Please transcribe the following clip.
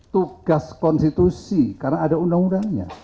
tugas konstitusi karena ada undang undangnya